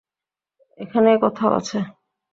এখানেই কোথাও আছে।